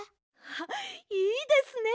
あいいですね！